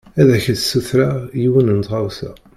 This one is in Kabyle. Ad ak-d-sutreɣ yiwen n tɣawsa.